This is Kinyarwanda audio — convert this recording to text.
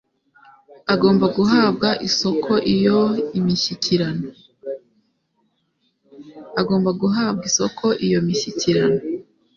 agomba guhabwa isoko iyo imishyikirano